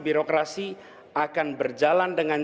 birokrasi akan berjalan dengan